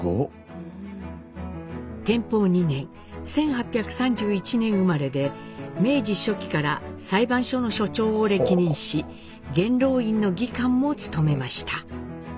天保２年１８３１年生まれで明治初期から裁判所の所長を歴任し元老院の議官も務めました。